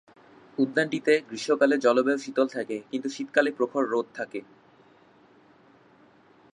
উদ্যানটিতে গ্রীষ্মকালে জলবায়ু শীতল থাকে কিন্তু শীতকালে প্রখর রোদ থাকে।